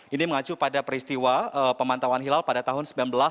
ini mengacu pada peristiwa pemantauan hilal pada tahun seribu sembilan ratus delapan puluh